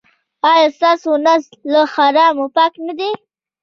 ایا ستاسو نس له حرامو پاک نه دی؟